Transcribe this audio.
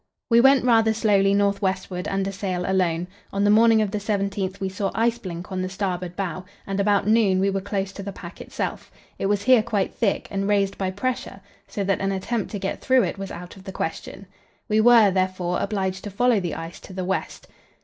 We went rather slowly north westward under sail alone. On the morning of the 17th we saw ice blink on the starboard bow, and about noon we were close to the pack itself; it was here quite thick, and raised by pressure, so that an attempt to get through it was out of the question. We were, therefore, obliged to follow the ice to the west.